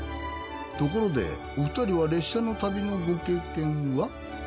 ところでお二人は列車の旅のご経験は？